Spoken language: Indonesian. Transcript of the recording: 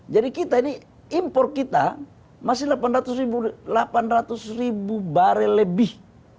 jadi kita ini impor kita masih delapan ratus ribu barrel lebih